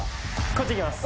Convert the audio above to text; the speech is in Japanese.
こっち行きます。